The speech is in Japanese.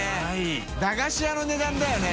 駄菓子屋の値段だよね。